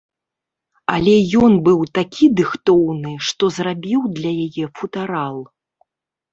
Але ён быў такі дыхтоўны, што зрабіў для яе футарал.